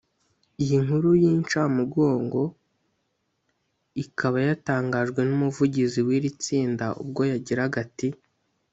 Iyi nkuru y’inshamugongo ikaba yatangajwe n’umuvugizi w’iri tsinda ubwo yagiraga ati